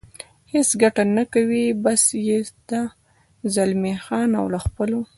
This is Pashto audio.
هېڅ ګټه نه کوي، بس یې ده، زلمی خان او له خپلو.